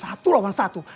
dan dia satu lawan satu